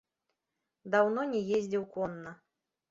Даўно не ездзіў конна.